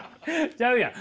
ちゃうやん。